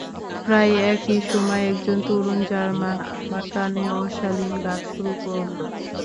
প্রায় একই সময়ে একজন তরুণ জার্মান আমার কানে অশালীন গান শুরু করল।